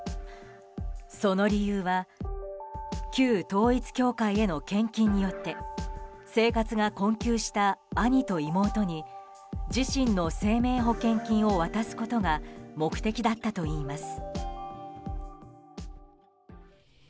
その理由は旧統一教会への献金によって生活が困窮した兄と妹に自身の生命保険金を渡すことが目的だったといいます。